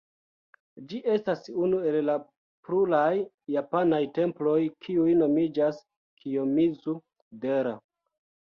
Ĝi estas unu el pluraj japanaj temploj, kiuj nomiĝas Kijomizu-dera.